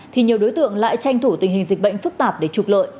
thì nhiều đối tượng lại tranh thủ tình hình dịch bệnh phức tạp để trục lợi